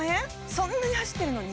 そんなに走ってるのに？